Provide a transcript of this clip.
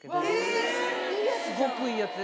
すごくいいやつで。